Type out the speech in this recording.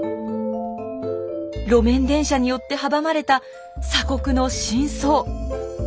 路面電車によって阻まれた鎖国の真相。